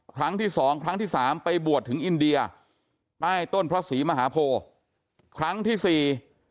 ครั้งที่๒ครั้งที่๓ไปบวชถึงอินเดียไปต้นพระศรีมหาโพครั้งที่๔